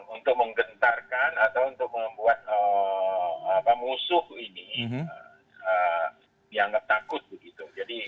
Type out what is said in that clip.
untuk menggentarkan atau untuk membuat musuh ini dianggap takut begitu